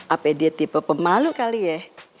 apa dia tipe pemalu kali ya